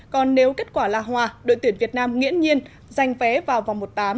còn nếu kết quả là hòa đội tuyển việt nam nghiễn nhiên giành vé vào vòng một tám